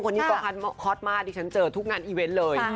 คนนี้ก็ฮอตมากดิฉันเจอทุกงานอีเวนต์เลย